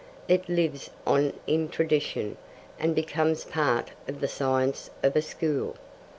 It lives on in tradition, and becomes part of the science of a school.